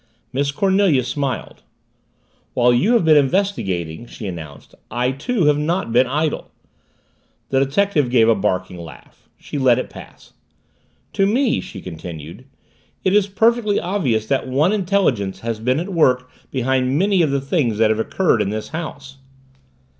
Miss Cornelia smiled. "While you have been investigating," she announced, "I, too, have not been idle." The detective gave a barking laugh. She let it pass. "To me," she continued, "it is perfectly obvious that one intelligence has been at work behind many of the things that have occurred in this house."